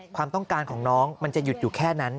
ความต้องการของน้องมันจะหยุดอยู่แค่นั้น